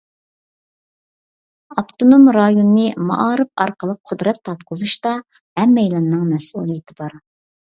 ئاپتونوم رايوننى مائارىپ ئارقىلىق قۇدرەت تاپقۇزۇشتا ھەممەيلەننىڭ مەسئۇلىيىتى بار.